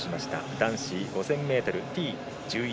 男子５０００ｍＴ１１